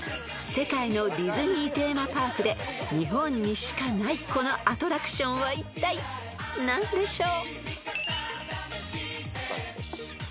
世界のディズニーテーマパークで日本にしかないこのアトラクションはいったい何でしょう？］